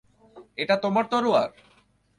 এটা তোমার তরোয়ার?